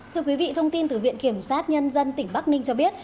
thưa quý vị thông tin từ viện kiểm sát nhân dân tỉnh bắc ninh cho biết